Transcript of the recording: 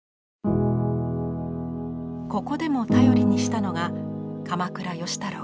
ここでも頼りにしたのが鎌倉芳太郎。